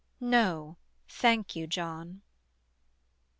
"NO, THANK YOU, JOHN."